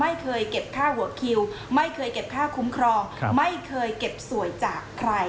ไม่เคยเก็บค่าคุ้มครองไม่เคยเก็บสวยจากใคร